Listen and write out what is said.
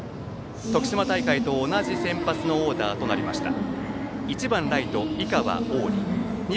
徳島大会と同じ先発のオーダーとなりました。